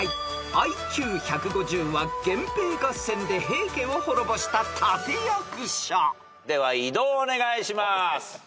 ［ＩＱ１５０は源平合戦で平家を滅ぼした立役者］では移動をお願いします。